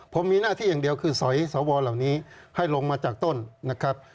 ผมมีหน้าที่อย่างเดียวคือสอยสวเหล่านี้ให้ลงมาจากต้นนะครับ